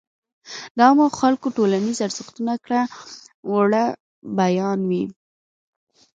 د عامو خلکو ټولنيز ارزښتونه ،کړه وړه بيان وي.